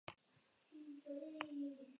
Hona hemen bertan bizi diren primateak.